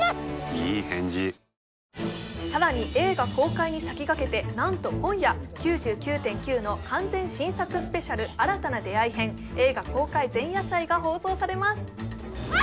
いい返事さらに映画公開に先駆けて何と今夜「９９．９」の完全新作ＳＰ新たな出会い篇映画公開前夜祭が放送されます